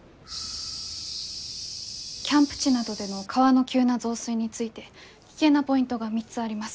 キャンプ地などでの川の急な増水について危険なポイントが３つあります。